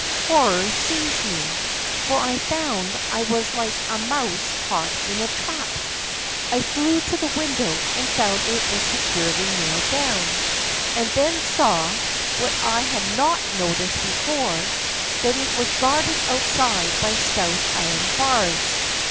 Horror seized me, for I found I was like a mouse caught in a trap. I flew to the window and found it was securely nailed down, and then saw, what I had not noticed before, that it was guarded outside by stout iron bars.